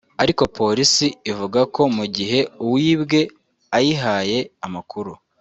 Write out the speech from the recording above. ariko polisi ivuga ko mu gihe uwibwe ayihaye amakuru